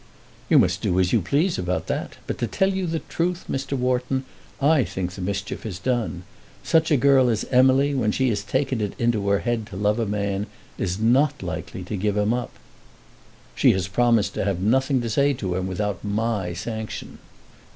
"You must do as you please about that. But to tell you the truth, Mr. Wharton, I think the mischief is done. Such a girl as Emily, when she has taken it into her head to love a man, is not likely to give him up." "She has promised to have nothing to say to him without my sanction."